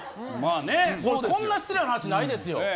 こんな失礼な話ないですよ。